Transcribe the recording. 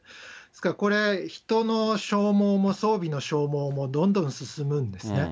ですからこれ、人の消耗も装備の消耗もどんどん進むんですね。